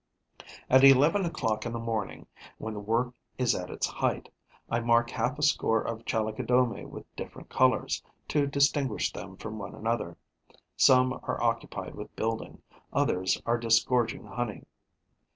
At eleven o'clock in the morning, when the work is at its height, I mark half a score of Chalicodomae with different colours, to distinguish them from one another. Some are occupied with building, others are disgorging honey.